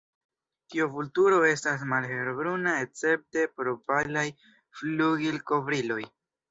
Tiu vulturo estas malhelbruna escepte pro palaj flugilkovriloj.